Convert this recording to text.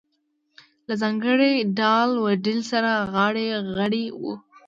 له ځانګړي ډال و ډیل سره غاړه غړۍ وه.